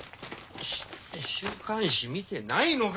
週刊誌見てないのか？